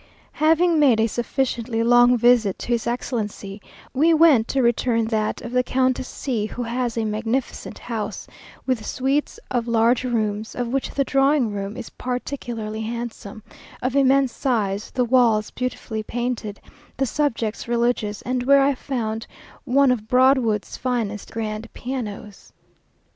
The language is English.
Having made a sufficiently long visit to his Excellency, we went to return that of the Countess C , who has a magnificent house, with suites of large rooms, of which the drawing room is particularly handsome, of immense size, the walls beautifully painted, the subjects religious, and where I found one of Broadwood's finest grand pianos.